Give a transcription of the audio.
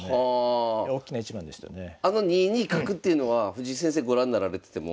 あの２二角っていうのは藤井先生ご覧になられてても。